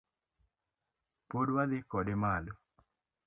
Pod wadhi kode malo